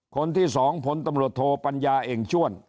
คนที่๒ผลถมรุตโทปัญญาเองช่วน